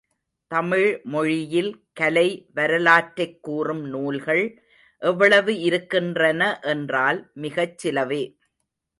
தமிழ் மொழியில் கலை வரலாற்றைக் கூறும் நூல்கள் எவ்வளவு இருக்கின்றன என்றால் மிகச் சிலவே.